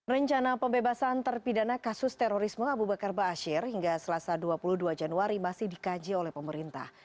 rencana pembebasan terpidana kasus terorisme abu bakar ⁇ baasyir ⁇ hingga selasa dua puluh dua januari masih dikaji oleh pemerintah